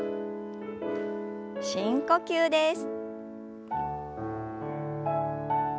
深呼吸です。